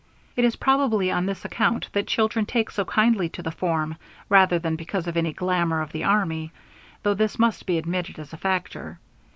It is probably on this account that children take so kindly to the form, rather than because of any glamor of the army, though this must be admitted as a factor.